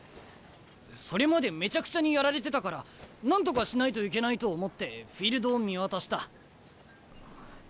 それまでめちゃくちゃにやられてたからなんとかしないといけないと思ってフィールドを見渡した。